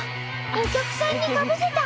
お客さんにかぶせた。